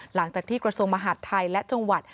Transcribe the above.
หลังจากที่กระทรวงมหาดไทยและจังหวัด